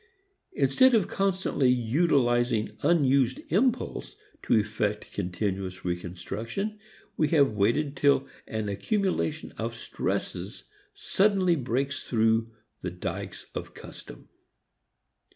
Instead of constantly utilizing unused impulse to effect continuous reconstruction, we have waited till an accumulation of stresses suddenly breaks through the dikes of custom.